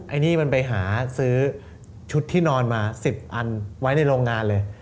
อันนี้มันไปหาซื้อชุดที่นอนมา๑๐อันไว้ในโรงงานเลย